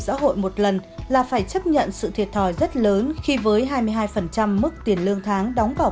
xã hội một lần là phải chấp nhận sự thiệt thòi rất lớn khi với hai mươi hai mức tiền lương tháng đóng vào